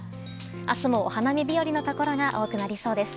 明日も、お花見日和のところが多くなりそうです。